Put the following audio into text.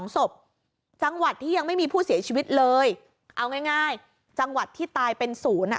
๒ศพจังหวัดที่ยังไม่มีผู้เสียชีวิตเลยเอาง่ายจังหวัดที่ตายเป็นศูนย์อ่ะ